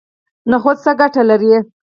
نخود څه ګټه لري؟